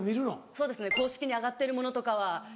そうですね公式に上がってるものとかは。